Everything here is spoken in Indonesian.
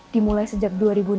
dimulai sejak dua ribu enam belas